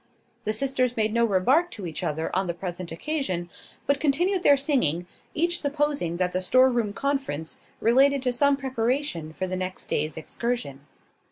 The sisters made no remark to each other on the present occasion, but continued their singing, each supposing that the store room conference related to some preparation for the next day's excursion.